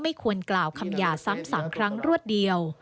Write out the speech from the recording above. ไม่ควรกล่าวคำยา๓ครั้งรวดเดียว